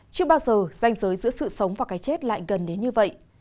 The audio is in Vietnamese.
chưa bao giờ danh giới giữa sự sống và cái chết lại gần đến như vậy